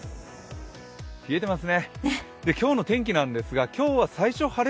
冷えてますね。